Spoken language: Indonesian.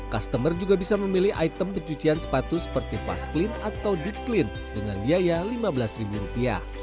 customer juga bisa memilih item pecucian sepatu seperti fast clean atau deep clean dengan biaya lima belas ribu rupiah